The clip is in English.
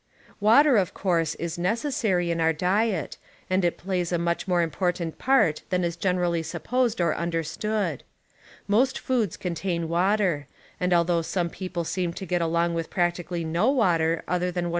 Water, of course, is necessary in our diet and it plays a much more important part than is generally supposed or imderstood. Most foods contain water, and although some people seem to get ™, along with practically no water other than Water .'^./.